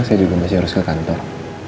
saya juga masih harus ke kantor